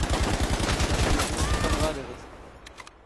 ⵍⵄⴼⵉⵜ ⵓⵔ ⴰⵔ ⵜⴼⴼⴰⵍ ⵖⴰⵔ ⵉⵖⴷ